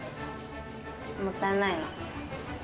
もったいないな。